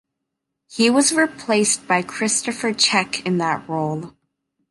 He was replaced by Christopher Check in that role.